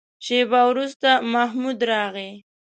شېبه وروسته محمود راغی.